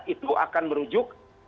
itu akan merujuk